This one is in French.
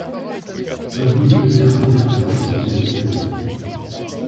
Avenue de la Gare de Gargan au numéro seize